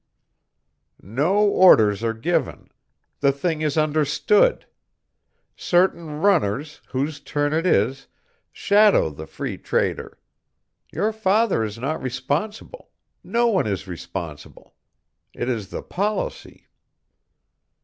_" "No orders are given. The thing is understood. Certain runners, whose turn it is, shadow the Free Trader. Your father is not responsible; no one is responsible. It is the policy."